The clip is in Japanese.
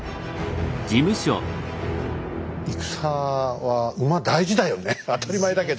戦は馬大事だよね当たり前だけど。